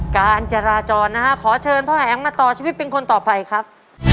การจราจรนะฮะขอเชิญพ่อแอ๋มมาต่อชีวิตเป็นคนต่อไปครับ